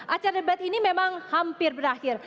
acara debat ini memang hampir berakhir